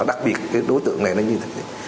đặc biệt đối tượng này là như thế này